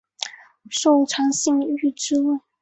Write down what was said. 受长信卿之位。